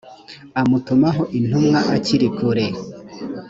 amutumaho intumwa akiri kure